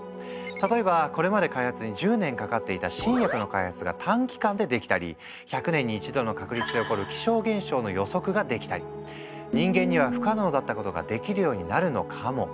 例えばこれまで開発に１０年かかっていた新薬の開発が短期間でできたり１００年に一度の確率で起こる気象現象の予測ができたり人間には不可能だったことができるようになるのかも。